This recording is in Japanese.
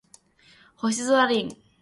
星空凛